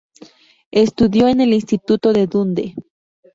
Estudió en el Instituto de Dundee.